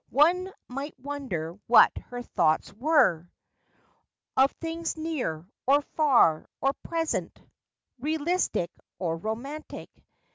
One might wonder what her thoughts were, Of things near, or far, or present, Realistic, or romantic.